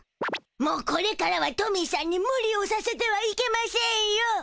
もうこれからはトミーしゃんにムリをさせてはいけませんよ。